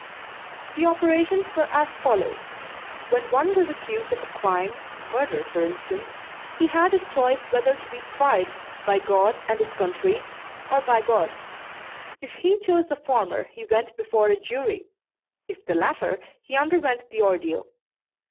The operations were as follows: When one was accused of a crime, murder for instance, he had his choice whether to be tried "by God and his country," or "by God." If he chose the former he went before a jury. If the latter, he underwent the ordeal.